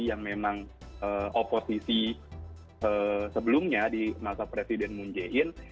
yang memang oposisi sebelumnya di masa presiden moon jae in